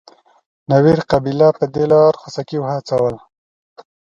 نوير قبیله په دې لار خوسکي وهڅول.